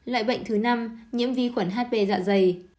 loại bệnh thứ năm nhiễm vi khuẩn hp dạ dày